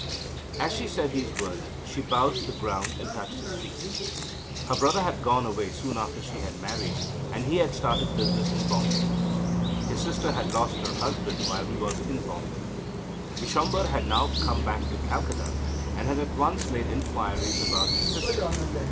As she said these words, she bowed to the ground and touched his feet. Her brother had gone away soon after she had married, and he had started business in Bombay. His sister had lost her husband while he was In Bombay. Bishamber had now come back to Calcutta, and had at once made enquiries about his sister.